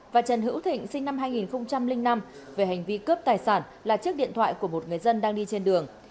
và trần hữu thịnh sinh năm hai nghìn năm về hành vi cướp tài sản là chiếc điện thoại của một người dân đang đi trên đường